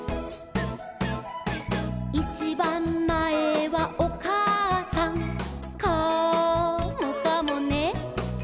「いちばんまえはおかあさん」「カモかもね」